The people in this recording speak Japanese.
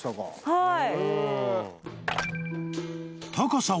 はい。